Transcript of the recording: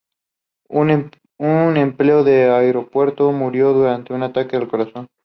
En ocasiones, vivió en París, donde se familiarizó con Voltaire.